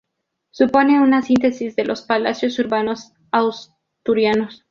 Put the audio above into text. Supone una síntesis de los palacios urbanos asturianos.